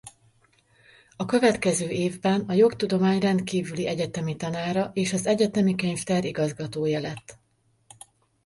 A következő évben a jogtudomány rendkívüli egyetemi tanára és az egyetemi könyvtár igazgatója lett.